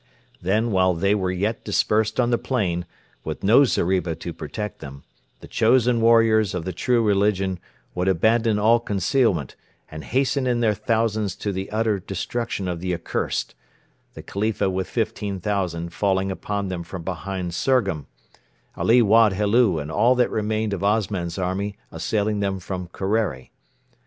Then, while they were yet dispersed on the plain, with no zeriba to protect them, the chosen warriors of the True Religion would abandon all concealment, and hasten in their thousands to the utter destruction of the accursed the Khalifa with 15,000 falling upon them from behind Surgham; Ali Wad Helu and all that remained of Osman's army assailing them from Kerreri.